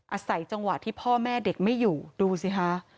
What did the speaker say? อาศัยจังหวะที่พ่อแม่เด็กไม่อยู่ดูสิคะ